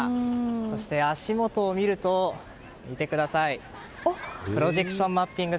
そして足元を見るとプロジェクションマッピング。